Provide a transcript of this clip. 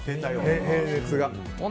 平熱が。